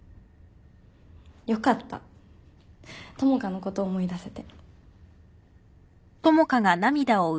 よかった智花のこと思い出せて。